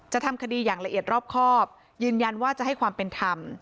ทำคดีอย่างละเอียดรอบครอบยืนยันว่าจะให้ความเป็นธรรม